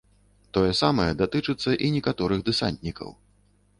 Тое самае датычыцца і некаторых дэсантнікаў.